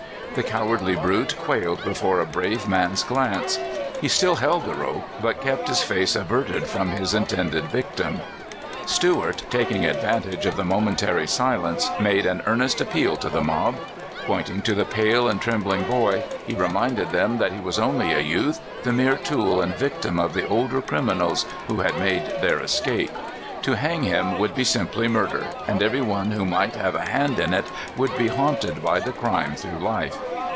The cowardly brute quailed before a brave man's glance. He still held the rope, but kept his face averted from his intended victim. Stuart, taking advantage of the momentary si lence, made an earnest appeal to the mob. Point ing to the pale and trembling boy, he reminded them that he was only a youth, the mere tool and victim of the older criminals who had made their escape. To hang him would be simply murder, and every one who might have a hand in it would be haunted by the crime through life.